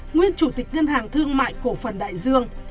nguyên chủ tịch ngân hàng thương mại cổ phần đại dương